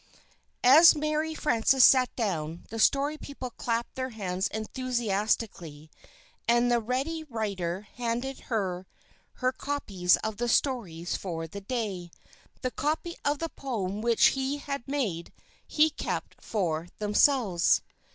As Mary Frances sat down, the Story People clapped their hands enthusiastically; and the Ready Writer handed her her copies of the stories for the day. The copy of the poem which he had made, he kept for themselves.